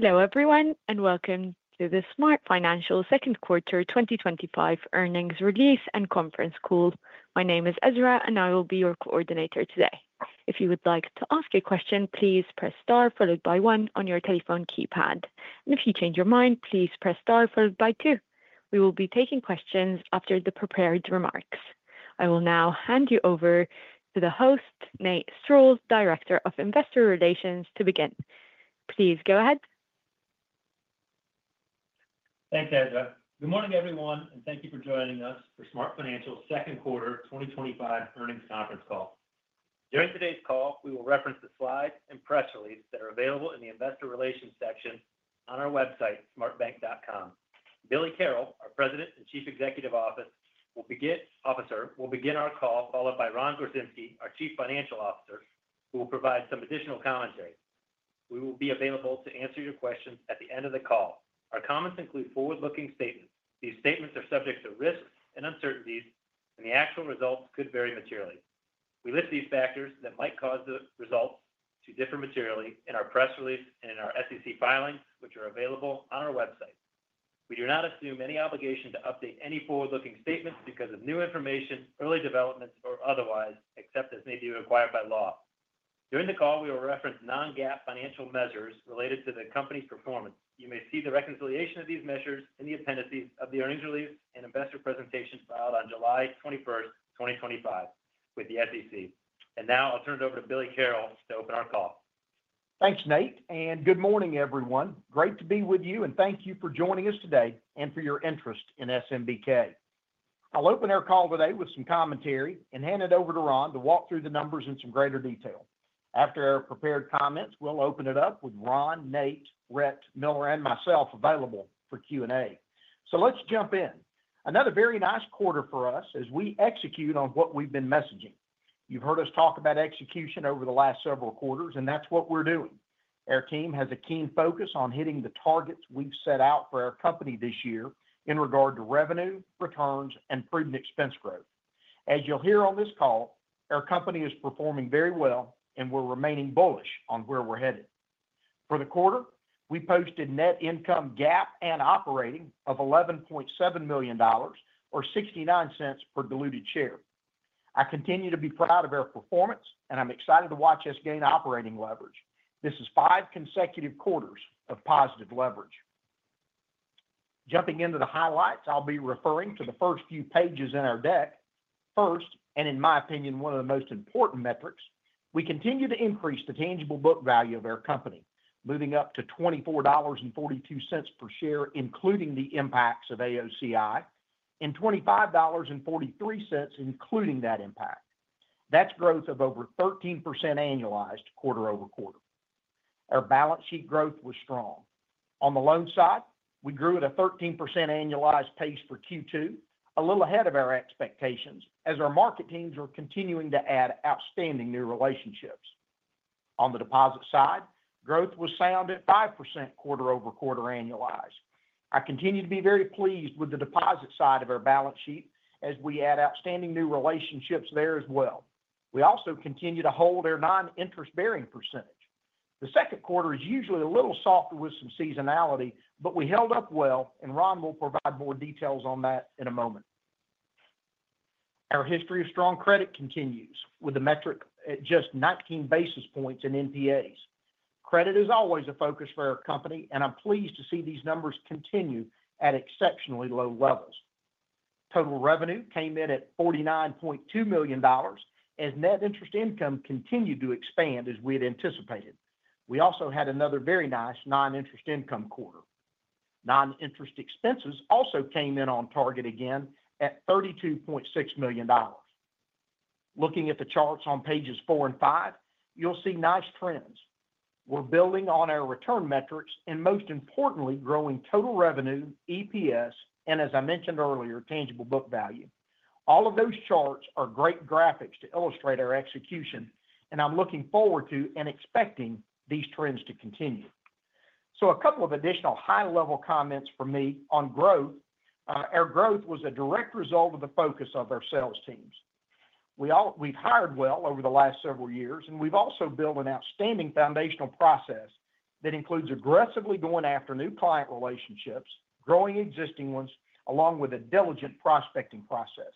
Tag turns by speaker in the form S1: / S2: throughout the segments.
S1: Hello everyone and welcome to the SmartFinancial Second Quarter 2025 earnings release and conference call. My name is Ezra, and I will be your coordinator today. If you would like to ask a question, please press star followed by one on your telephone keypad. If you change your mind, please press star followed by two. We will be taking questions after the prepared remarks. I will now hand you over to the host, Nate Strall, Director of Investor Relations, to begin. Please go ahead.
S2: Thanks, Ezra. Good morning everyone, and thank you for joining us for SmartFinancial Second Quarter 2025 earnings conference call. During today's call, we will reference the slides and press release that are available in the Investor Relations section on our website, smartbank.com. Billy Carroll, our President and Chief Executive Officer, will begin our call, followed by Ron Gorczynski, our Chief Financial Officer, who will provide some additional commentary. We will be available to answer your questions at the end of the call. Our comments include forward-looking statements. These statements are subject to risks and uncertainties, and the actual results could vary materially. We list these factors that might cause the results to differ materially in our press release and in our SEC filings, which are available on our website. We do not assume any obligation to update any forward-looking statements because of new information, early developments, or otherwise, except as needed and required by law. During the call, we will reference non-GAAP financial measures related to the company's performance. You may see the reconciliation of these measures in the appendices of the earnings release and investor presentations filed on July 21, 2025, with the SEC. Now I'll turn it over to Billy Carroll to open our call.
S3: Thanks, Nate, and good morning everyone. Great to be with you and thank you for joining us today and for your interest in SMBK. I'll open our call today with some commentary and hand it over to Ron to walk through the numbers in some greater detail. After our prepared comments, we'll open it up with Ron, Nate, Rhett, Miller, and myself available for Q&A. Let's jump in. Another very nice quarter for us as we execute on what we've been messaging. You've heard us talk about execution over the last several quarters, and that's what we're doing. Our team has a keen focus on hitting the targets we've set out for our company this year in regard to revenue, returns, and freedom of expense growth. As you'll hear on this call, our company is performing very well and we're remaining bullish on where we're headed. For the quarter, we posted net income GAAP and operating of $11.7 million or $0.69 per diluted share. I continue to be proud of our performance, and I'm excited to watch us gain operating leverage. This is five consecutive quarters of positive leverage. Jumping into the highlights, I'll be referring to the first few pages in our deck. First, and in my opinion, one of the most important metrics, we continue to increase the tangible book value of our company, moving up to $24.42 per share, including the impacts of AOCI, and $25.43 including that impact. That's growth of over 13% annualized quarter over quarter. Our balance sheet growth was strong. On the loan side, we grew at a 13% annualized pace for Q2, a little ahead of our expectations as our market teams are continuing to add outstanding new relationships. On the deposit side, growth was sound at 5% quarter over quarter annualized. I continue to be very pleased with the deposit side of our balance sheet as we add outstanding new relationships there as well. We also continue to hold our non-interest bearing percentage. The second quarter is usually a little softer with some seasonality, but we held up well, and Ron will provide more details on that in a moment. Our history of strong credit continues with a metric at just 19 basis points in non-performing assets. Credit is always a focus for our company, and I'm pleased to see these numbers continue at exceptionally low levels. Total revenue came in at $49.2 million as net interest income continued to expand as we had anticipated. We also had another very nice non-interest income quarter. Non-interest expenses also came in on target again at $32.6 million. Looking at the charts on pages four and five, you'll see nice trends. We're building on our return metrics and most importantly growing total revenue, EPS, and as I mentioned earlier, tangible book value. All of those charts are great graphics to illustrate our execution, and I'm looking forward to and expecting these trends to continue. A couple of additional high-level comments from me on growth. Our growth was a direct result of the focus of our sales teams. We've hired well over the last several years, and we've also built an outstanding foundational process that includes aggressively going after new client relationships, growing existing ones, along with a diligent prospecting process.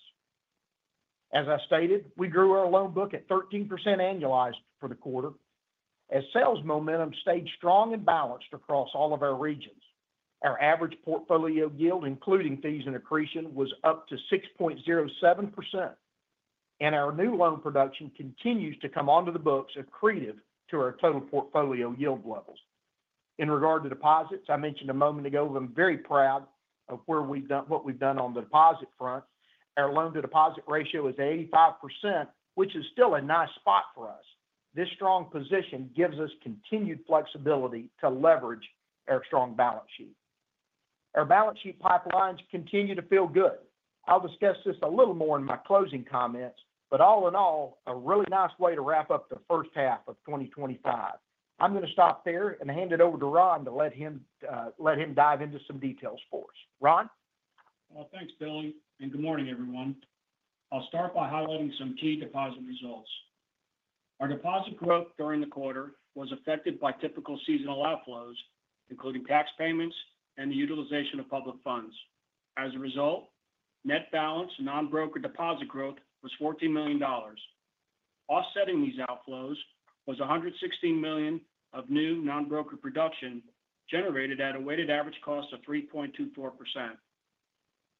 S3: As I stated, we grew our loan book at 13% annualized for the quarter as sales momentum stayed strong and balanced across all of our regions. Our average portfolio yield, including fees and accretion, was up to 6.07%, and our new loan production continues to come onto the books accretive to our total portfolio yield levels. In regard to deposits, I mentioned a moment ago, I'm very proud of what we've done on the deposit front. Our loan-to-deposit ratio is 85%, which is still a nice spot for us. This strong position gives us continued flexibility to leverage our strong balance sheet. Our balance sheet pipelines continue to feel good. I'll discuss this a little more in my closing comments, but all in all, a really nice way to wrap up the first half of 2025. I'm going to stop there and hand it over to Ron to let him dive into some details for us. Ron?
S4: Thanks, Billy, and good morning everyone. I'll start by highlighting some key deposit results. Our deposit growth during the quarter was affected by typical seasonal outflows, including tax payments and the utilization of public funds. As a result, net balance non-broker deposit growth was $14 million. Offsetting these outflows was $116 million of new non-broker production generated at a weighted average cost of 3.24%.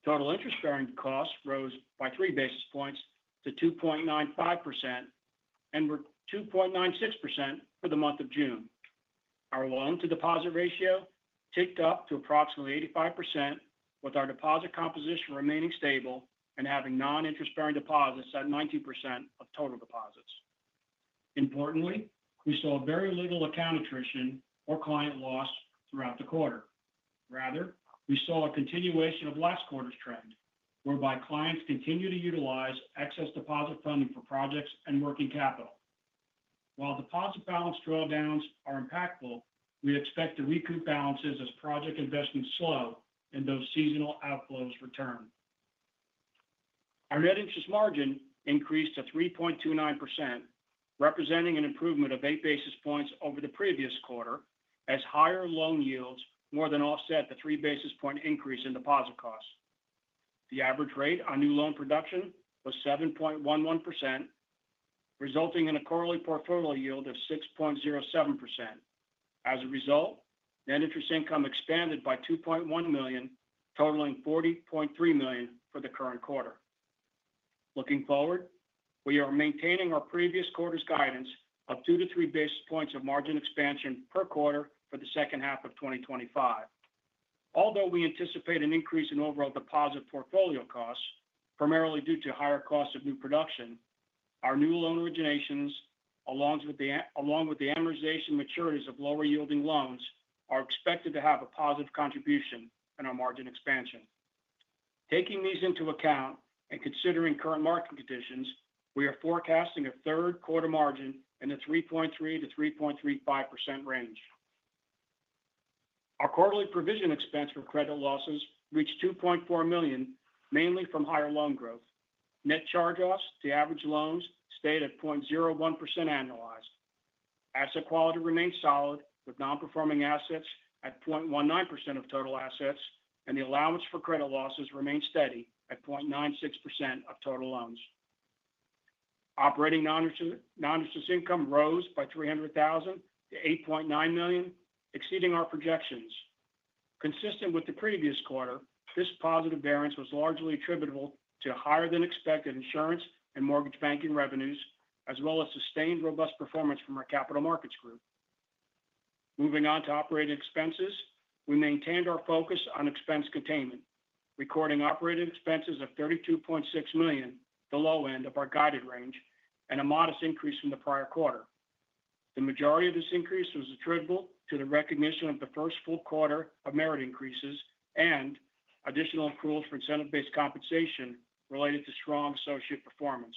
S4: Total interest bearing costs rose by 3 basis points to 2.95% and were 2.96% for the month of June. Our loan-to-deposit ratio ticked up to approximately 85%, with our deposit composition remaining stable and having non-interest bearing deposits at 19% of total deposits. Importantly, we saw very little account attrition or client loss throughout the quarter. Rather, we saw a continuation of last quarter's trend, whereby clients continue to utilize excess deposit funding for projects and working capital. While deposit balance drawdowns are impactful, we expect to recoup balances as project investments slow and those seasonal outflows return. Our net interest margin increased to 3.29%, representing an improvement of 8 basis points over the previous quarter, as higher loan yields more than offset the 3 basis point increase in deposit costs. The average rate on new loan production was 7.11%, resulting in a quarterly portfolio yield of 6.07%. As a result, net interest income expanded by $2.1 million, totaling $40.3 million for the current quarter. Looking forward, we are maintaining our previous quarter's guidance of 2 basis points-3 basis points of margin expansion per quarter for the second half of 2025. Although we anticipate an increase in overall deposit portfolio costs, primarily due to higher costs of new production, our new loan originations, along with the amortization maturities of lower yielding loans, are expected to have a positive contribution in our margin expansion. Taking these into account and considering current market conditions, we are forecasting a third quarter margin in the 3.3%-3.35% range. Our quarterly provision expense from credit losses reached $2.4 million, mainly from higher loan growth. Net charge-offs to average loans stayed at 0.01% annualized. Asset quality remains solid, with non-performing assets at 0.19% of total assets, and the allowance for credit losses remains steady at 0.96% of total loans. Operating non-interest income rose by $300,000 to $8.9 million, exceeding our projections. Consistent with the previous quarter, this positive variance was largely attributable to higher-than-expected insurance and mortgage banking revenues, as well as sustained robust performance from our capital markets group. Moving on to operating expenses, we maintained our focus on expense containment, recording operating expenses of $32.6 million, the low end of our guided range, and a modest increase from the prior quarter. The majority of this increase was attributable to the recognition of the first full quarter of merit increases and additional approval for incentive-based compensation related to strong associate performance.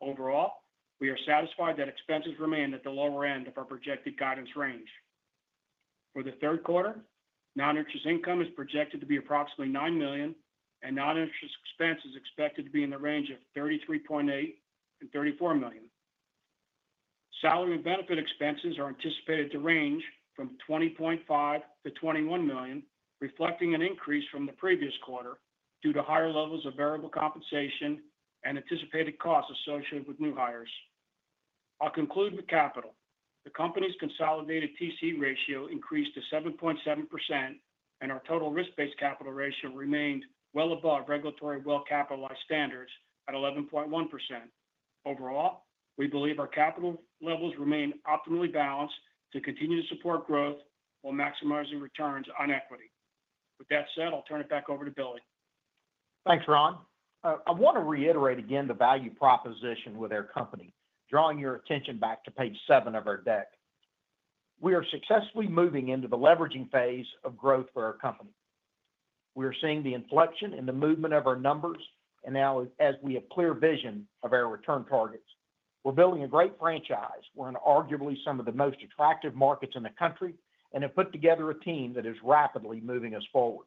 S4: Overall, we are satisfied that expenses remain at the lower end of our projected guidance range. For the third quarter, non-interest income is projected to be approximately $9 million, and non-interest expense is expected to be in the range of $33.8 million and $34 million. Salary and benefit expenses are anticipated to range from $20.5 million-$21 million, reflecting an increase from the previous quarter due to higher levels of variable compensation and anticipated costs associated with new hires. I'll conclude with capital. The company's consolidated TC ratio increased to 7.7%, and our total risk-based capital ratio remained well above regulatory well-capitalized standards at 11.1%. Overall, we believe our capital levels remain optimally balanced to continue to support growth while maximizing returns on equity. With that said, I'll turn it back over to Billy.
S3: Thanks, Ron. I want to reiterate again the value proposition with our company, drawing your attention back to page seven of our deck. We are successfully moving into the leveraging phase of growth for our company. We are seeing the inflection in the movement of our numbers, and now as we have clear vision of our return targets. We're building a great franchise. We're in arguably some of the most attractive markets in the country and have put together a team that is rapidly moving us forward.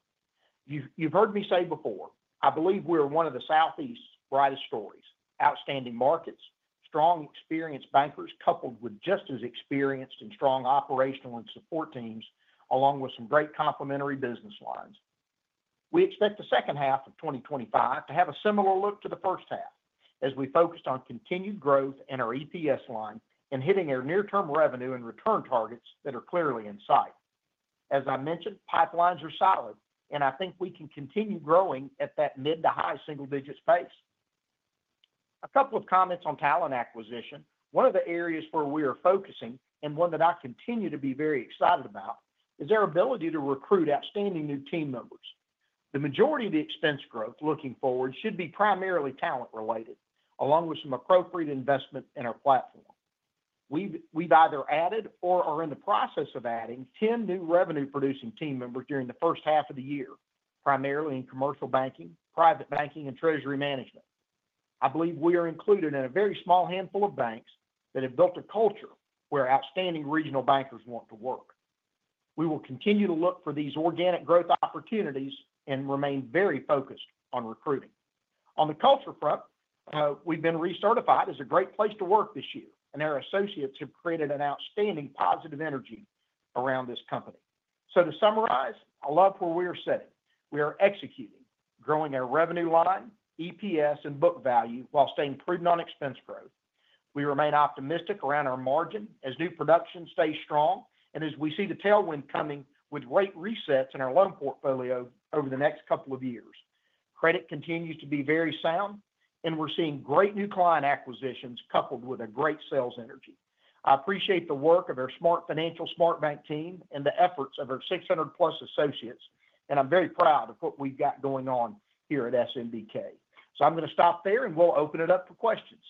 S3: You've heard me say before, I believe we are one of the Southeast's brightest stories, outstanding markets, strong experienced bankers coupled with just as experienced and strong operational and support teams, along with some great complementary business lines. We expect the second half of 2025 to have a similar look to the first half as we focused on continued growth and our EPS line and hitting our near-term revenue and return targets that are clearly in sight. As I mentioned, pipelines are solid, and I think we can continue growing at that mid to high single-digit space. A couple of comments on talent acquisition. One of the areas where we are focusing and one that I continue to be very excited about is our ability to recruit outstanding new team members. The majority of the expense growth looking forward should be primarily talent-related, along with some appropriate investment in our platform. We've either added or are in the process of adding 10 new revenue-producing team members during the first half of the year, primarily in commercial banking, private banking, and treasury management. I believe we are included in a very small handful of banks that have built a culture where outstanding regional bankers want to work. We will continue to look for these organic growth opportunities and remain very focused on recruiting. On the culture front, we've been recertified as a great place to work this year, and our associates have created an outstanding positive energy around this company. To summarize, I love where we are sitting. We are executing, growing our revenue line, EPS, and book value while staying prudent on expense growth. We remain optimistic around our margin as new production stays strong and as we see the tailwind coming with rate resets in our loan portfolio over the next couple of years. Credit continues to be very sound, and we're seeing great new client acquisitions coupled with a great sales energy. I appreciate the work of our SmartFinancial SmartBank team and the efforts of our 600+ associates, and I'm very proud of what we've got going on here at SMBK. I'm going to stop there, and we'll open it up for questions.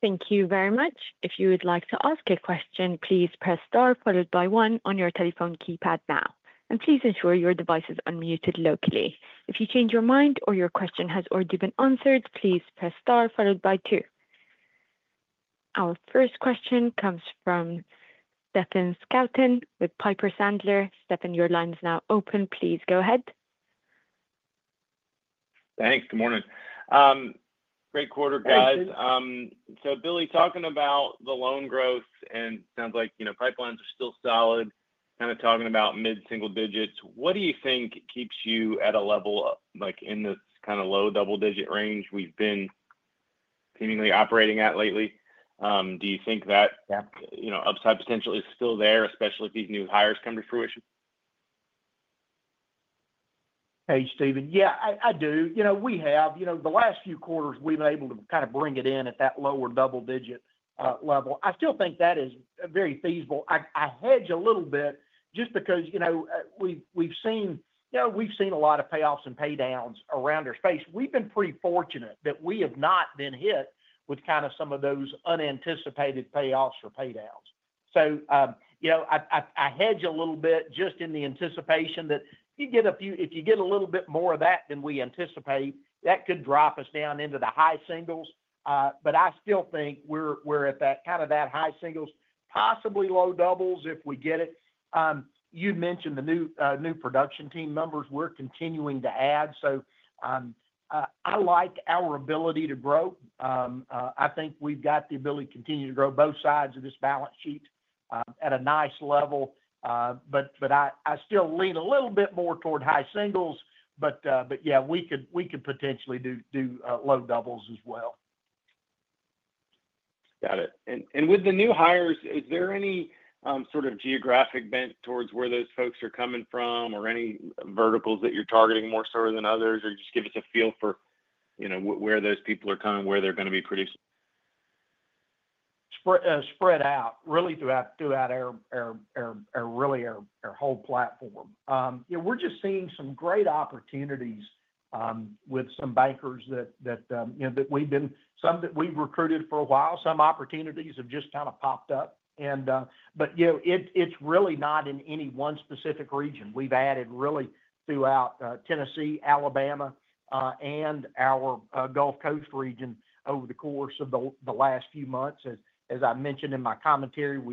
S1: Thank you very much. If you would like to ask a question, please press star followed by one on your telephone keypad now. Please ensure your device is unmuted locally. If you change your mind or your question has already been answered, please press star followed by two. Our first question comes from Stephen Scouten with Piper Sandler. Stefan, your line is now open. Please go ahead.
S5: Thanks. Good morning. Great quarter, guys. Billy, talking about the loan growth, it sounds like pipelines are still solid, kind of talking about mid-single digits. What do you think keeps you at a level like in this kind of low double-digit range we've been seemingly operating at lately? Do you think that upside potential is still there, especially if these new hires come to fruition?
S3: Hey, Steven. Yeah, I do. We have, the last few quarters we've been able to kind of bring it in at that lower double-digit level. I still think that is very feasible. I hedge a little bit just because we've seen a lot of payoffs and paydowns around our space. We've been pretty fortunate that we have not been hit with some of those unanticipated payoffs or paydowns. I hedge a little bit just in the anticipation that you get a few, if you get a little bit more of that than we anticipate, that could drop us down into the high singles. I still think we're at that high singles, possibly low doubles if we get it. You'd mentioned the new production team members we're continuing to add. I like our ability to grow. I think we've got the ability to continue to grow both sides of this balance sheet at a nice level. I still lean a little bit more toward high singles. Yeah, we could potentially do low doubles as well.
S5: Got it. With the new hires, is there any sort of geographic bench towards where those folks are coming from or any verticals that you're targeting more so than others? Just give us a feel for where those people are coming, where they're going to be producing.
S3: Spread out really throughout our whole platform. We're just seeing some great opportunities with some bankers that we've been, some that we've recruited for a while. Some opportunities have just kind of popped up. It's really not in any one specific region. We've added really throughout Tennessee, Alabama, and our Gulf Coast region over the course of the last few months. As I mentioned in my commentary, we're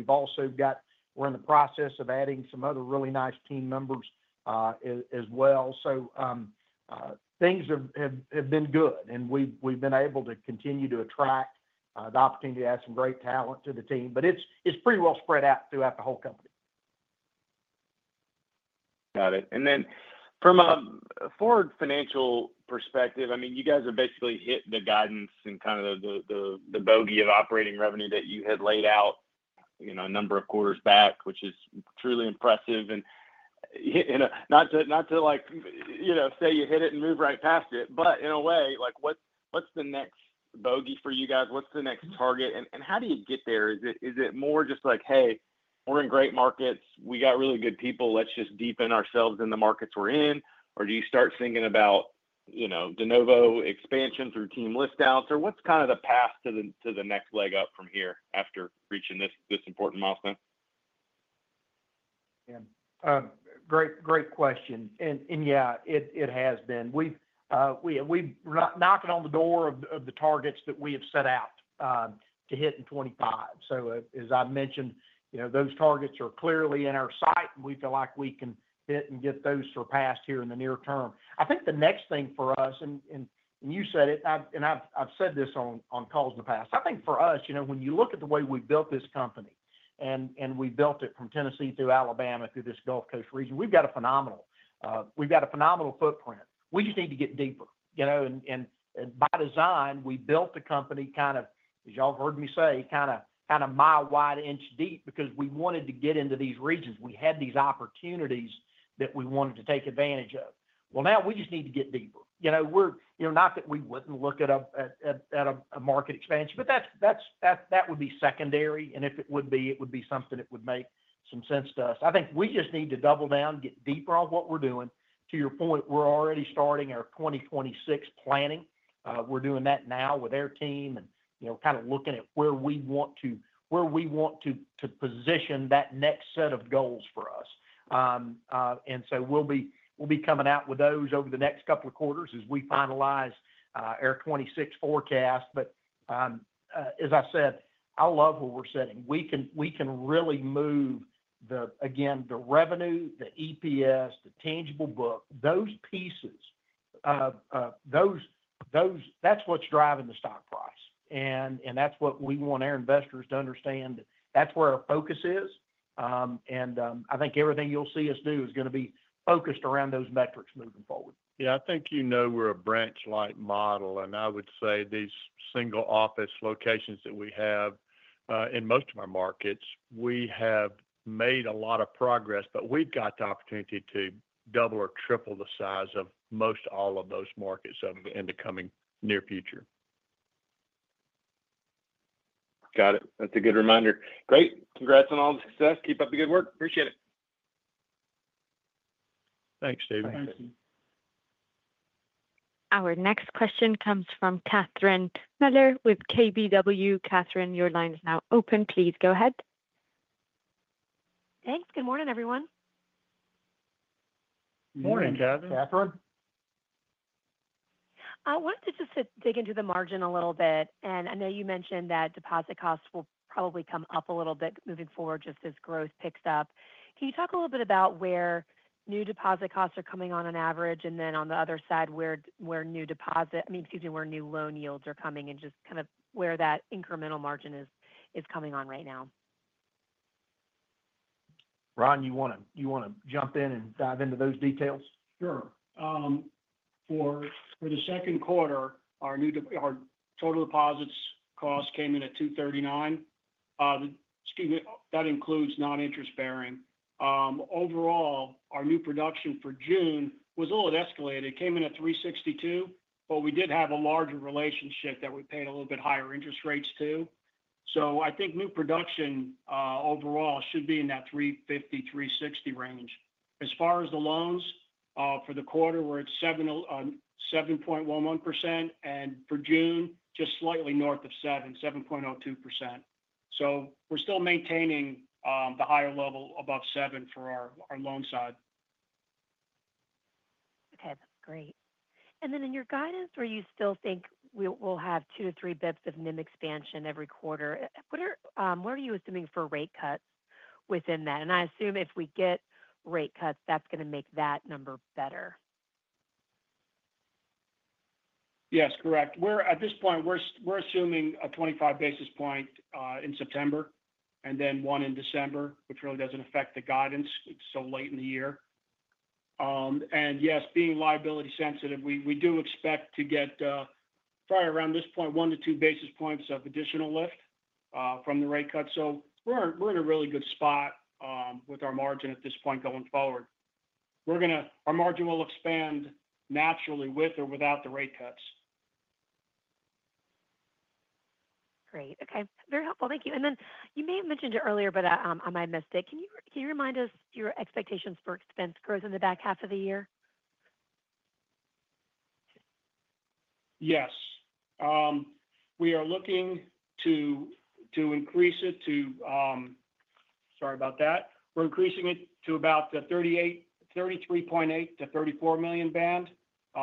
S3: in the process of adding some other really nice team members as well. Things have been good, and we've been able to continue to attract the opportunity to add some great talent to the team. It's pretty well spread out throughout the whole company.
S5: Got it. From a forward financial perspective, you guys have basically hit the guidance and kind of the bogey of operating revenue that you had laid out a number of quarters back, which is truly impressive. Not to say you hit it and move right past it, but in a way, what's the next bogey for you guys? What's the next target, and how do you get there? Is it more just like, hey, we're in great markets, we got really good people, let's just deepen ourselves in the markets we're in? Do you start thinking about de novo expansion through team list outs? What's kind of the path to the next leg up from here after reaching this important milestone?
S3: Yeah, great question. It has been. We've knocked on the door of the targets that we have set out to hit in 2025. As I mentioned, those targets are clearly in our sight, and we feel like we can hit and get those surpassed here in the near term. I think the next thing for us, and you said it, and I've said this on calls in the past, I think for us, when you look at the way we built this company, and we built it from Tennessee through Alabama through this Gulf Coast region, we've got a phenomenal footprint. We just need to get deeper. By design, we built the company kind of, as y'all have heard me say, kind of mile wide, inch deep because we wanted to get into these regions. We had these opportunities that we wanted to take advantage of. Now we just need to get deeper. Not that we wouldn't look at a market expansion, but that would be secondary. If it would be, it would be something that would make some sense to us. I think we just need to double down, get deeper on what we're doing. To your point, we're already starting our 2026 planning. We're doing that now with our team and looking at where we want to position that next set of goals for us. We'll be coming out with those over the next couple of quarters as we finalize our 2026 forecast. As I said, I love where we're sitting. We can really move the revenue, the EPS, the tangible book, those pieces, that's what's driving the stock price. That's what we want our investors to understand. That's where our focus is. I think everything you'll see us do is going to be focused around those metrics moving forward.
S6: Yeah, I think we're a branch-like model, and I would say these single office locations that we have, in most of our markets, we have made a lot of progress, but we've got the opportunity to double or triple the size of most all of those markets in the coming near future.
S5: Got it. That's a good reminder. Great. Congrats on all the success. Keep up the good work. Appreciate it.
S6: Thanks, Steven.
S3: Thank you.
S1: Our next question comes from Catherine Mealor with KBW. Catherine, your line is now open. Please go ahead.
S7: Thanks. Good morning, everyone.
S3: Morning, Catherine.
S7: I wanted to just dig into the margin a little bit, and I know you mentioned that deposit costs will probably come up a little bit moving forward just as growth picks up. Can you talk a little bit about where new deposit costs are coming on an average, and then on the other side, where new loan yields are coming, and just kind of where that incremental margin is coming on right now?
S3: Ron, you want to jump in and dive into those details?
S4: For the second quarter, our total deposits cost came in at $239. Excuse me, that includes non-interest bearing. Overall, our new production for June was a little escalated. It came in at $362, but we did have a larger relationship that we paid a little bit higher interest rates to. I think new production overall should be in that $350, $360 range. As far as the loans for the quarter, we're at 7.11% and for June, just slightly north of 7%, 7.02%. We're still maintaining the higher level above 7% for our loan side.
S7: Okay. That's great. In your guidance, where you still think we'll have 2 basis points-3 basis points of NIM expansion every quarter, what are you assuming for rate cuts within that? I assume if we get rate cuts, that's going to make that number better.
S4: Yes, correct. At this point, we're assuming a 25 basis point in September and then one in December, which really doesn't affect the guidance. It's so late in the year. Yes, being liability sensitive, we do expect to get probably around this point, 1 basis points-2 basis points of additional lift from the rate cut. We're in a really good spot with our margin at this point going forward. We're going to, our margin will expand naturally with or without the rate cuts.
S7: Great. Okay. Very helpful. Thank you. You may have mentioned it earlier, but I might have missed it. Can you remind us your expectations for expense growth in the back half of the year?
S4: Yes. We're increasing it to about $33.8 million-$34 million band.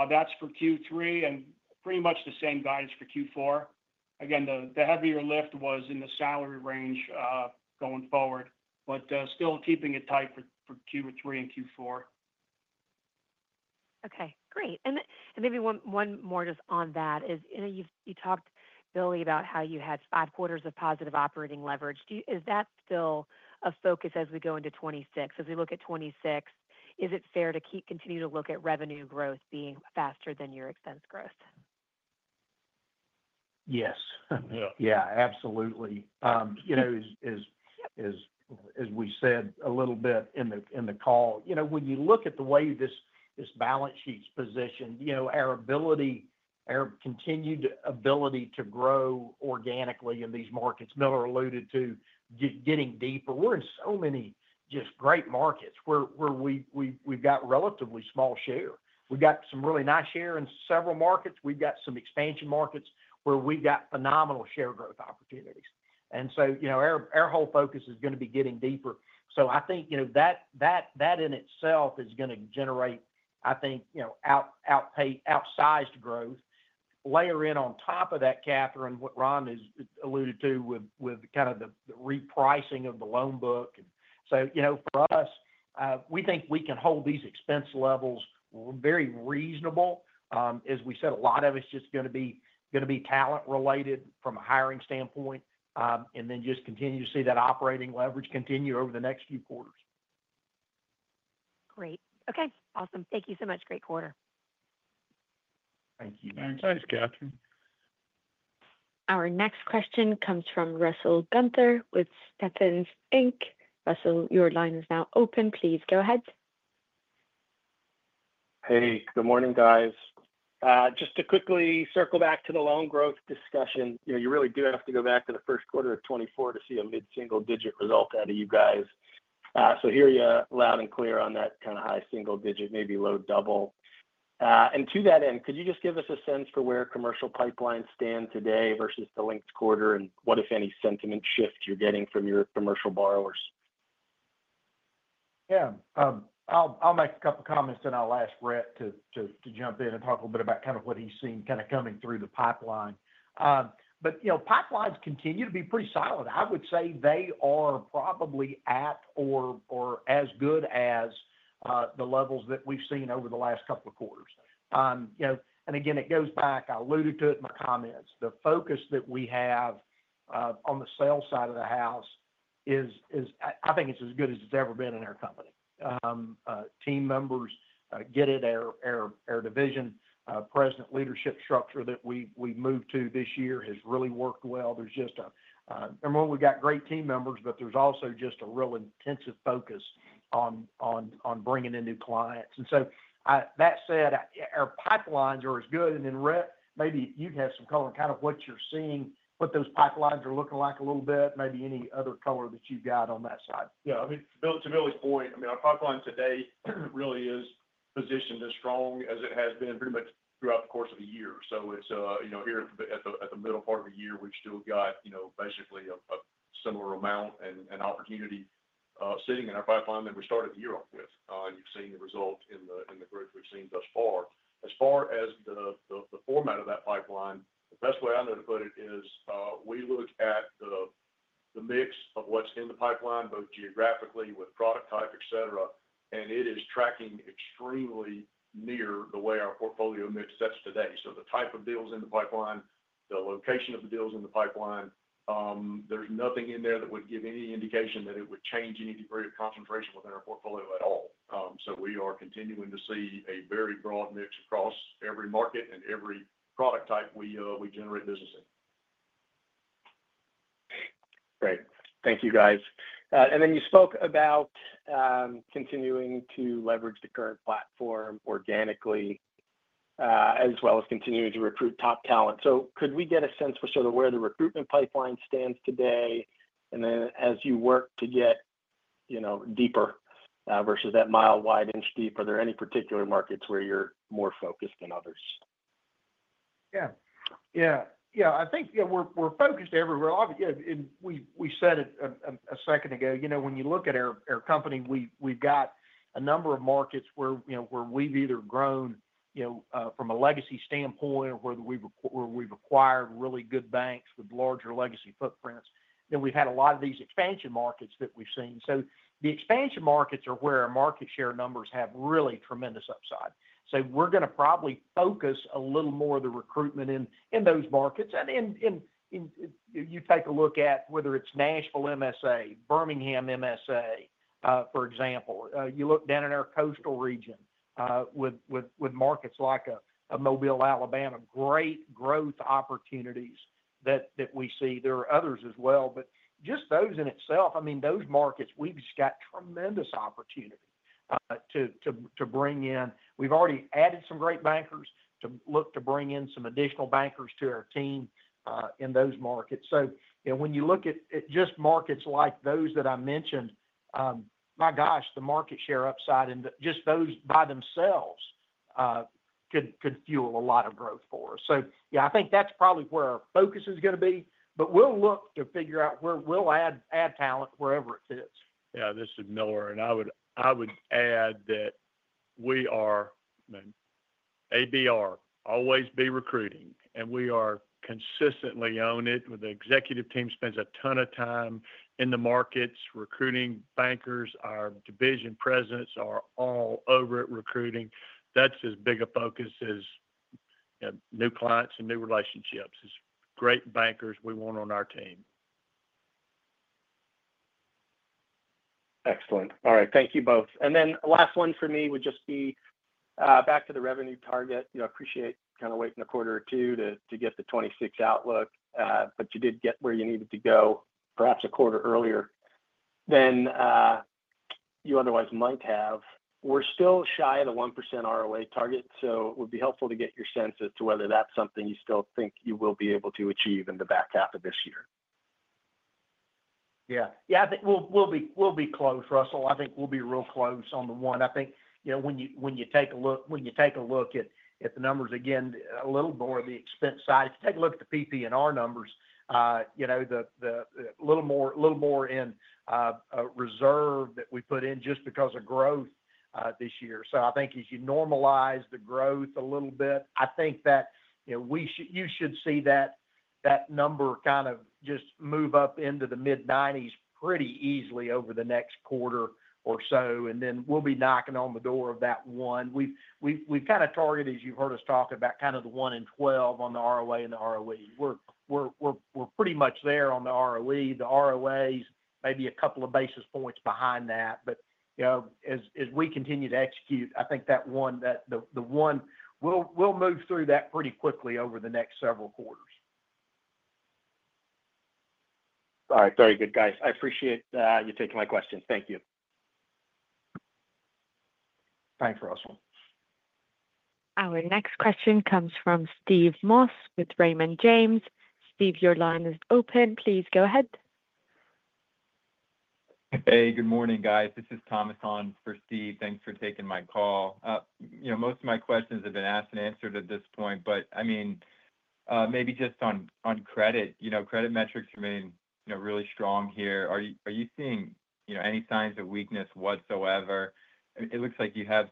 S4: That's for Q3 and pretty much the same guidance for Q4. Again, the heavier lift was in the salary range going forward, but still keeping it tight for Q3 and Q4.
S7: Okay. Great. Maybe one more just on that is, you talked, Billy, about how you had five quarters of positive operating leverage. Is that still a focus as we go into 2026? As we look at 2026, is it fair to continue to look at revenue growth being faster than your expense growth?
S3: Yes. Yeah, absolutely. As we said a little bit in the call, when you look at the way this balance sheet's positioned, our ability, our continued ability to grow organically in these markets, Miller alluded to just getting deeper. We're in so many just great markets where we've got relatively small share. We've got some really nice share in several markets. We've got some expansion markets where we've got phenomenal share growth opportunities. Our whole focus is going to be getting deeper. I think that in itself is going to generate, I think, outsized growth. Layer in on top of that, Catherine, what Ron has alluded to with kind of the repricing of the loan book. For us, we think we can hold these expense levels very reasonable. As we said, a lot of it's just going to be talent-related from a hiring standpoint, and then just continue to see that operating leverage continue over the next few quarters.
S7: Great. Okay. Awesome. Thank you so much. Great quarter.
S3: Thank you, Catherine.
S1: Our next question comes from Russell Gunther with Stephens Inc. Russell, your line is now open. Please go ahead.
S8: Hey, good morning, guys. Just to quickly circle back to the loan growth discussion, you really do have to go back to the first quarter of 2024 to see a mid-single-digit result out of you guys. I hear you loud and clear on that kind of high single digit, maybe low double. To that end, could you just give us a sense for where commercial pipelines stand today versus the last quarter and what, if any, sentiment shift you're getting from your commercial borrowers?
S3: Yeah. I'll make a couple of comments and I'll ask Rhett to jump in and talk a little bit about kind of what he's seen coming through the pipeline. You know, pipelines continue to be pretty solid. I would say they are probably at or as good as the levels that we've seen over the last couple of quarters. You know, it goes back, I alluded to it in my comments. The focus that we have on the sales side of the house is, I think, as good as it's ever been in our company. Team members get it. Our division present leadership structure that we moved to this year has really worked well. There's just a, number one, we've got great team members, but there's also just a real intensive focus on bringing in new clients. That said, our pipelines are as good. Rhett, maybe if you'd have some color in kind of what you're seeing, what those pipelines are looking like a little bit, maybe any other color that you've got on that side.
S9: Yeah, I mean, to Billy's point, our pipeline today really is positioned as strong as it has been pretty much throughout the course of a year. Here at the middle part of a year, we've still got basically a similar amount and opportunity sitting in our pipeline than we started the year off with. You've seen the result in the growth we've seen thus far. As far as the format of that pipeline, the best way I know to put it is, we look at the mix of what's in the pipeline, both geographically with product type, et cetera, and it is tracking extremely near the way our portfolio mix sets today. The type of deals in the pipeline, the location of the deals in the pipeline, there's nothing in there that would give any indication that it would change any degree of concentration within our portfolio at all. We are continuing to see a very broad mix across every market and every product type we generate business in.
S8: Great. Thank you, guys. You spoke about continuing to leverage the current platform organically, as well as continuing to recruit top talent. Could we get a sense for sort of where the recruitment pipeline stands today? As you work to get deeper, versus that mile wide inch deep, are there any particular markets where you're more focused than others?
S3: Yeah. Yeah. Yeah. I think, you know, we're focused everywhere. Obviously, you know, and we said it a second ago, you know, when you look at our company, we've got a number of markets where we've either grown from a legacy standpoint or where we've acquired really good banks with larger legacy footprints, then we've had a lot of these expansion markets that we've seen. The expansion markets are where our market share numbers have really tremendous upside. We're going to probably focus a little more of the recruitment in those markets. You take a look at whether it's Nashville MSA, Birmingham MSA, for example, you look down in our coastal region, with markets like a Mobile, Alabama, great growth opportunities that we see. There are others as well, but just those in itself, I mean, those markets, we've just got tremendous opportunity to bring in. We've already added some great bankers to look to bring in some additional bankers to our team in those markets. When you look at just markets like those that I mentioned, my gosh, the market share upside and just those by themselves could fuel a lot of growth for us. Yeah, I think that's probably where our focus is going to be, but we'll look to figure out where we'll add talent wherever it fits.
S6: Yeah, this is Miller, and I would add that we are, I mean, ABR, always be recruiting, and we are consistently on it. The executive team spends a ton of time in the markets recruiting bankers. Our Division Presidents are all over it recruiting. That's as big a focus as, you know, new clients and new relationships. It's great bankers we want on our team.
S8: Excellent. All right. Thank you both. The last one for me would just be, back to the revenue target. I appreciate kind of waiting a quarter or two to get the 2026 outlook, but you did get where you needed to go, perhaps a quarter earlier than you otherwise might have. We're still shy of the 1% ROA target, so it would be helpful to get your sense as to whether that's something you still think you will be able to achieve in the back half of this year.
S3: Yeah, I think we'll be close, Russell. I think we'll be real close on the one. I think, you know, when you take a look at the numbers again, a little more of the expense side. If you take a look at the PP&R numbers, a little more in reserve that we put in just because of growth this year. I think as you normalize the growth a little bit, you should see that number kind of just move up into the mid-90s pretty easily over the next quarter or so. Then we'll be knocking on the door of that one. We've kind of targeted, as you've heard us talk about, kind of the one and 12 on the ROA and the ROE. We're pretty much there on the ROE. The ROA is maybe a couple of basis points behind that. As we continue to execute, I think that one, the one, we'll move through that pretty quickly over the next several quarters.
S8: All right. Very good, guys. I appreciate you taking my questions. Thank you.
S3: Thanks, Russell.
S1: Our next question comes from Steve Moss with Raymond James. Steve, your line is open. Please go ahead. Hey, good morning, guys. This is Thomas on for Steve. Thanks for taking my call. Most of my questions have been asked and answered at this point, but maybe just on credit, credit metrics remain really strong here. Are you seeing any signs of weakness whatsoever? It looks like you have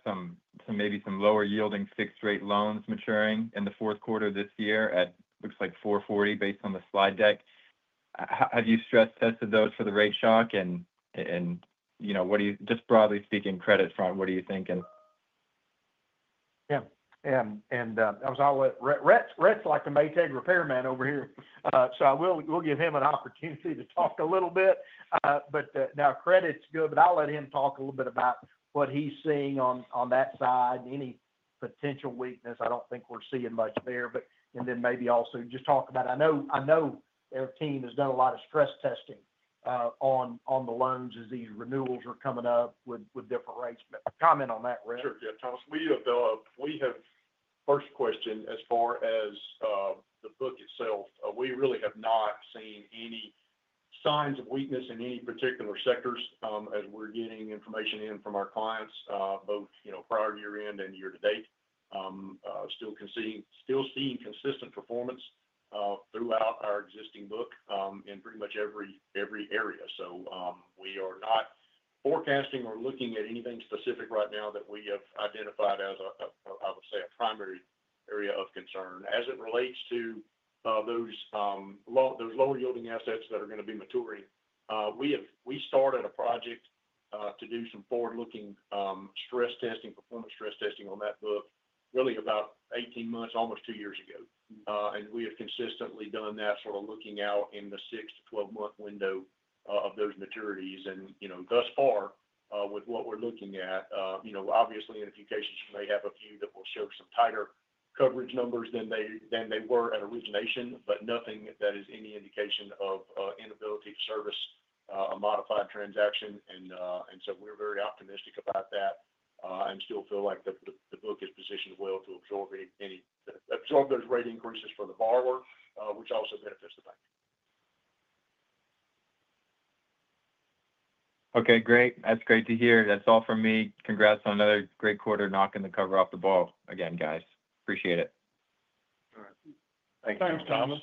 S1: maybe some lower yielding fixed-rate loans maturing in the fourth quarter of this year at, it looks like, $440 million based on the slide deck. Have you stress-tested those for the rate shock? Broadly speaking, credit front, what are you thinking?
S3: Yeah. Rhett's like the Maytag repairman over here. I will give him an opportunity to talk a little bit. Credit's good, but I'll let him talk a little bit about what he's seeing on that side and any potential weakness. I don't think we're seeing much there. Maybe also just talk about, I know our team has done a lot of stress testing on the loans as these renewals are coming up with different rates. Comment on that, Rhett.
S9: Sure. Yeah, Thomas, we have first question as far as the book itself. We really have not seen any signs of weakness in any particular sectors, as we're getting information in from our clients, both prior to year-end and year-to-date. Still seeing consistent performance throughout our existing book, in pretty much every area. We are not forecasting or looking at anything specific right now that we have identified as a primary area of concern. As it relates to those lower yielding assets that are going to be maturing, we started a project to do some forward-looking stress testing, performance stress testing on that book, really about 18 months, almost two years ago. We have consistently done that, sort of looking out in the six to 12-month window of those maturities. Thus far, with what we're looking at, obviously, in a few cases, you may have a few that will show some tighter coverage numbers than they were at a regional information, but nothing that is any indication of inability to service a modified transaction. We are very optimistic about that, and still feel like the book is positioned well to absorb any of those rate increases for the borrower, which also benefits the bank. Okay. Great. That's great to hear. That's all from me. Congrats on another great quarter knocking the cover off the ball again, guys. Appreciate it.
S3: Thanks, Thomas.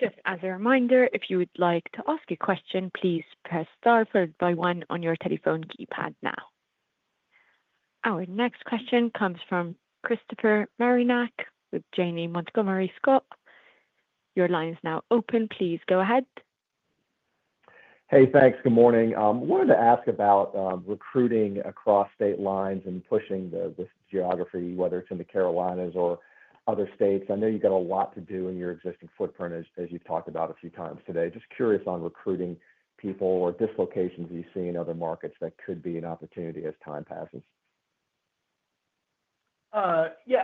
S1: Just as a reminder, if you would like to ask a question, please press star followed by one on your telephone keypad now. Our next question comes from Christopher Marinac with Janney Montgomery Scott. Your line is now open. Please go ahead.
S10: Hey, thanks. Good morning. I wanted to ask about recruiting across state lines and pushing the geography, whether it's in the Carolinas or other states. I know you've got a lot to do in your existing footprint, as you've talked about a few times today. Just curious on recruiting people or dislocations you see in other markets that could be an opportunity as time passes.
S3: Yeah.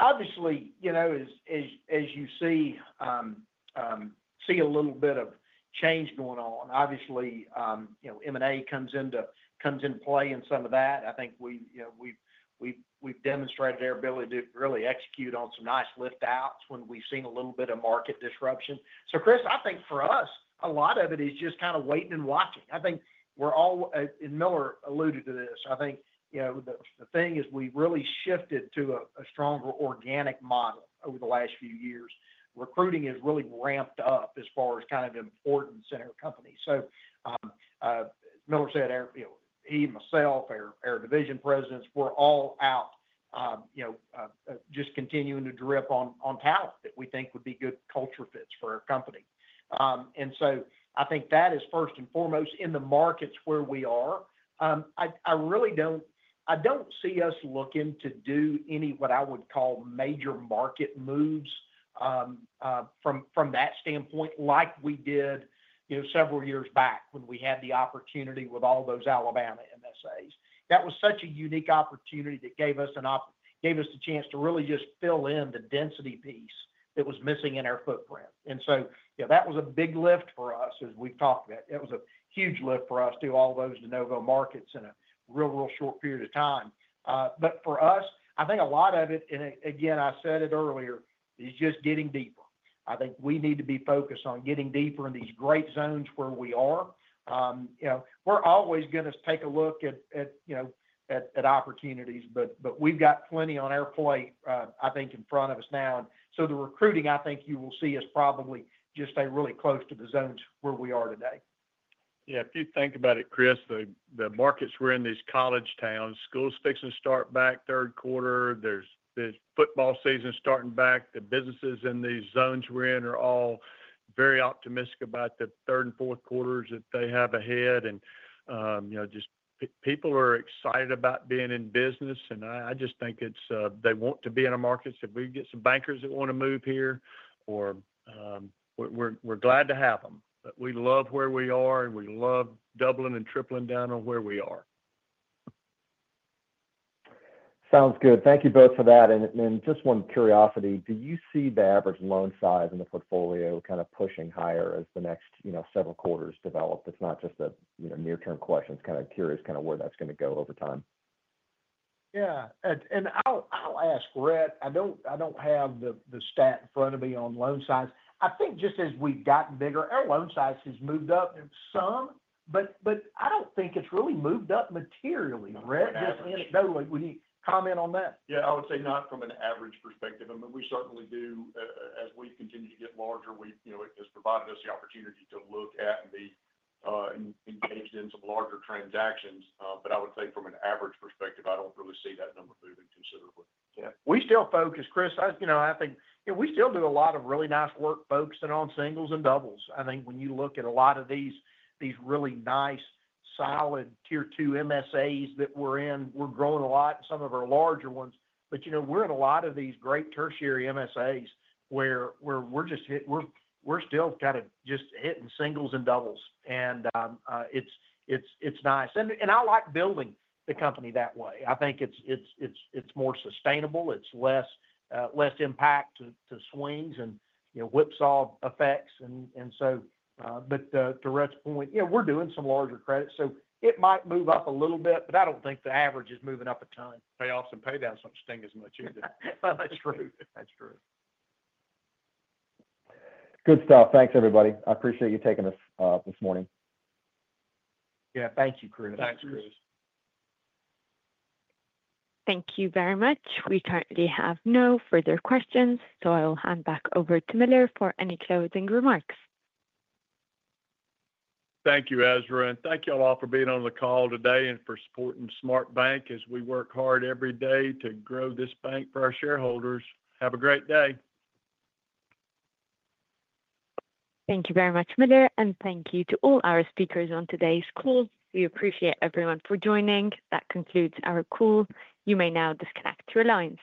S3: Obviously, as you see, see a little bit of change going on. Obviously, M&A comes into play in some of that. I think we've demonstrated our ability to really execute on some nice lift-outs when we've seen a little bit of market disruption. Chris, I think for us, a lot of it is just kind of waiting and watching. I think we're all, and Miller alluded to this, the thing is we've really shifted to a stronger organic model over the last few years. Recruiting has really ramped up as far as importance in our company. Miller said he and myself, our Division Presidents, we're all out just continuing to drip on talent that we think would be good culture fits for our company. I think that is first and foremost in the markets where we are. I really don't see us looking to do any what I would call major market moves from that standpoint like we did several years back when we had the opportunity with all those Alabama MSAs. That was such a unique opportunity that gave us the chance to really just fill in the density piece that was missing in our footprint. That was a big lift for us, as we've talked about. It was a huge lift for us to all those de novo markets in a real, real short period of time. For us, I think a lot of it, and again, I said it earlier, is just getting deeper. I think we need to be focused on getting deeper in these great zones where we are. We're always going to take a look at opportunities, but we've got plenty on our plate in front of us now. The recruiting, I think you will see us probably just stay really close to the zones where we are today.
S6: Yeah, if you think about it, Chris, the markets we're in, these college towns, schools fixing to start back third quarter. There's the football season starting back. The businesses in these zones we're in are all very optimistic about the third and fourth quarters that they have ahead. You know, just people are excited about being in business. I just think it's, they want to be in our markets. If we can get some bankers that want to move here, we're glad to have them. We love where we are, and we love doubling and tripling down on where we are.
S10: Sounds good. Thank you both for that. Just one curiosity, do you see the average loan size in the portfolio kind of pushing higher as the next, you know, several quarters develop? It's not just a, you know, near-term question. I'm kind of curious where that's going to go over time.
S3: Yeah. I'll ask Rhett. I don't have the stat in front of me on loan size. I think just as we've gotten bigger, our loan size has moved up some, but I don't think it's really moved up materially. Rhett, just anecdotally, would you comment on that?
S9: I would say not from an average perspective. We certainly do, as we've continued to get larger, it has provided us the opportunity to look at and be engaged in some larger transactions. I would say from an average perspective, I don't really see that number moving considerably.
S3: Yeah. We still focus, Chris, as you know, I think we still do a lot of really nice work focusing on singles and doubles. I think when you look at a lot of these really nice, solid Tier 2 MSAs that we're in, we're growing a lot in some of our larger ones. We're in a lot of these great tertiary MSAs where we're just hitting singles and doubles. It's nice, and I like building the company that way. I think it's more sustainable. It's less impact to swings and whipsaw effects. To Rhett's point, yeah, we're doing some larger credits, so it might move up a little bit, but I don't think the average is moving up a ton.
S9: Payoffs and paydowns don't sting as much either.
S3: That's true. That's true.
S10: Good stuff. Thanks, everybody. I appreciate you taking us this morning.
S3: Yeah, thank you, Chris.
S9: Thanks, Chris.
S1: Thank you very much. We currently have no further questions, so I'll hand back over to Miller for any closing remarks.
S6: Thank you, Ezra. Thank you all for being on the call today and for supporting SmartBank as we work hard every day to grow this bank for our shareholders. Have a great day.
S1: Thank you very much, Miller, and thank you to all our speakers on today's call. We appreciate everyone for joining. That concludes our call. You may now disconnect your lines.